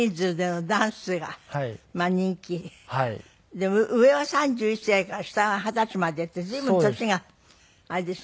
でも上は３１歳から下は二十歳までって随分年があれですね。